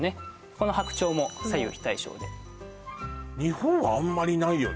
この白鳥も左右非対称で日本はあんまりないよね？